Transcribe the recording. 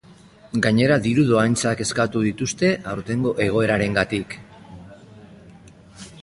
Gainera, diru dohaintzak eskatu dituzte aurtengo egoerarengatik.